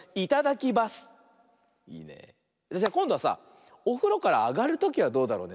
それじゃこんどはさおふろからあがるときはどうだろうね。